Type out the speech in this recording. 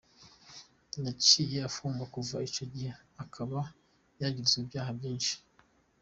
Yaciye apfungwa kuva ico gihe akaba yagirizwa ivyaha vyinshi.